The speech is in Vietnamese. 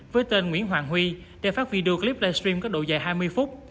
với tên nguyễn hoàng huy để phát video clip livestream có độ dài hai mươi phút